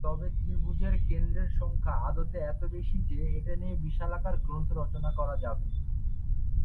তবে ত্রিভুজের কেন্দ্রের সংখ্যা আদতে এত বেশি যে এটা নিয়ে বিশালাকার গ্রন্থ রচনা করা যাবে।